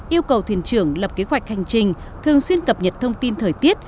yêu cầu thuyền trưởng lập kế hoạch hành trình thường xuyên cập nhật thông tin thời tiết